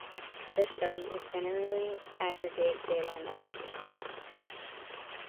This study is generally aggregate data analysis.